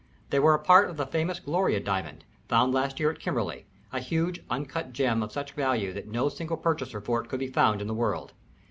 They were a part of the famous Gloria Diamond, found last year at Kimberley, a huge, uncut gem of such value that no single purchaser for it could be found in the world.